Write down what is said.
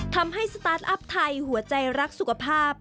สตาร์ทอัพไทยหัวใจรักสุขภาพ